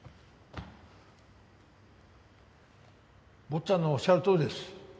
坊ちゃんのおっしゃるとおりです。